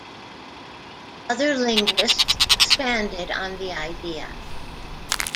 Other linguists expanded on the idea.